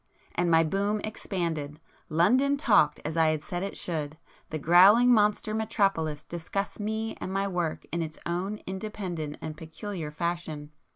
And my 'boom' expanded,—London 'talked' as I had said it should; the growling monster metropolis discussed me and my work in its own independent and peculiar fashion.